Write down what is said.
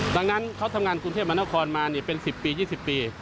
ดังนั้นเขาทำงานกรุงเทพมหานครมาเป็น๑๐ปี๒๐ปี